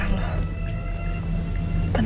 tenang ya yasa tenang